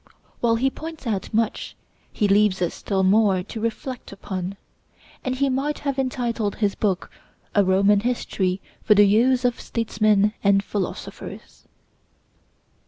While he points out much, he leaves us still more to reflect upon; and he might have entitled his book, 'A Roman History for the Use of Statesmen and Philosophers.'